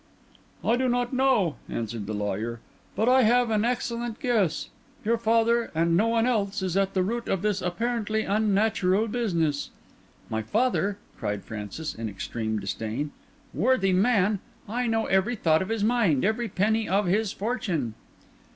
"I do not know," answered the lawyer, "but I have an excellent guess. Your father, and no one else, is at the root of this apparently unnatural business." "My father!" cried Francis, in extreme disdain. "Worthy man, I know every thought of his mind, every penny of his fortune!"